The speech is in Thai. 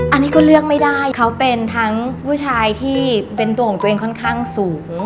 อันนี้ก็เลือกไม่ได้เขาเป็นทั้งผู้ชายที่เป็นตัวของตัวเองค่อนข้างสูง